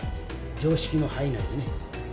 常識の範囲内でね。